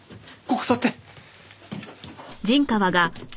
ここ座って。